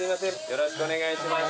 よろしくお願いします。